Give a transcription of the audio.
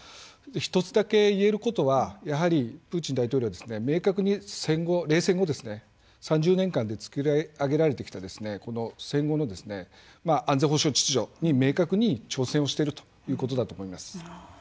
１つだけ言えることはやはりプーチン大統領は明確に冷戦後３０年間で作り上げられてきたこの戦後の安全保障秩序に明確に挑戦をしてるということだと思います。